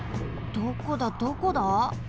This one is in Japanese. どこだどこだ？